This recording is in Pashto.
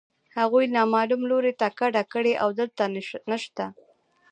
هغوی نامعلوم لوري ته کډه کړې او دلته نشته